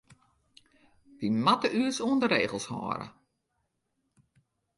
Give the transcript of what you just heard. Wy moatte ús oan de regels hâlde.